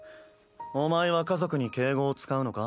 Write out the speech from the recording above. お前は家族に敬語を使うのか？